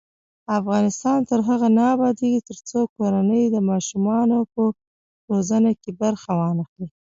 افغانستان تر هغو نه ابادیږي، ترڅو کورنۍ د ماشومانو په روزنه کې برخه وانخلي.